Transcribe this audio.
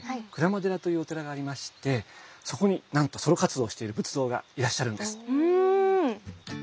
鞍馬寺というお寺がありましてそこになんとソロ活動をしている仏像がいらっしゃるんです。